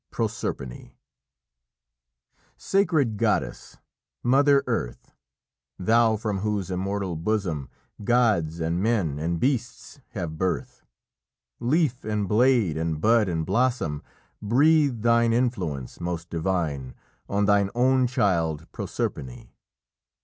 PROSERPINE "Sacred Goddess, Mother Earth, Thou from whose immortal bosom, Gods, and men, and beasts have birth, Leaf and blade, and bud and blossom, Breathe thine influence most divine On thine own child, Proserpine.